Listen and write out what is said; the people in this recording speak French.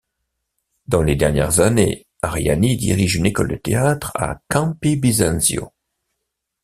Dans les dernières années, Ariani dirige une école de théâtre à Campi Bisenzio.